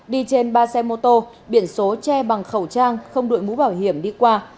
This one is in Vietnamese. đi trên ba xe mô tô biển số che bằng khẩu trang không đuổi mũ bảo hiểm đi qua